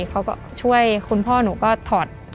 เขาก็ช่วยคุณพ่อหนูก็ถอด